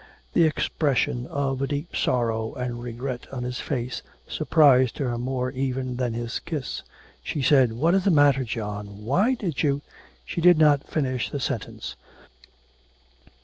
The expression of deep sorrow and regret on his face surprised her more even than his kiss. She said, 'What is the matter, John? Why did you ' She did not finish the sentence.